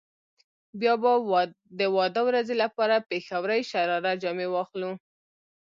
بيا به د واده ورځې لپاره پيښورۍ شراره جامې واخلو.